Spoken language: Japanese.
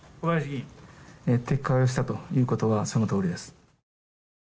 撤回したということはそのとおりです。